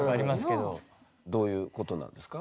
どういうことなんですか？